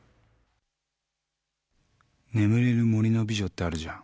『眠れる森の美女』ってあるじゃん